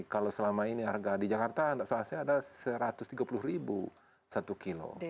kalau selama ini harga di jakarta tidak salah saya ada rp satu ratus tiga puluh satu kilo